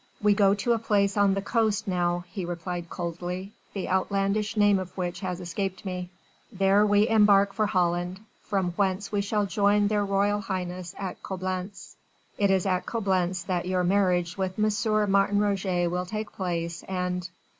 "We go to a place on the coast now," he replied coldly, "the outlandish name of which has escaped me. There we embark for Holland, from whence we shall join their Royal Highnesses at Coblentz. It is at Coblentz that your marriage with M. Martin Roget will take place, and...."